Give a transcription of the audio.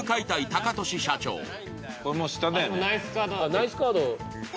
ナイスカード。